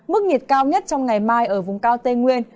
mức nhiệt cao nhất trong ngày mai ở vùng cao tây nguyên